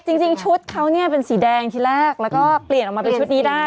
จริงชุดเขาเนี่ยเป็นสีแดงที่แรกแล้วก็เปลี่ยนออกมาเป็นชุดนี้ได้